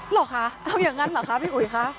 เหรอคะเอาอย่างนั้นเหรอคะพี่อุ๋ยคะ